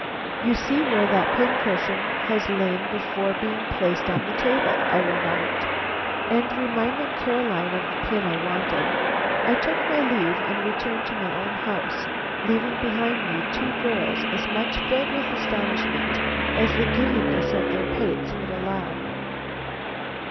"You see where that cushion has lain before being placed on the table," I remarked, and reminding Caroline of the pin I wanted, I took my leave and returned to my own house, leaving behind me two girls as much filled with astonishment as the giddiness of their pates would allow.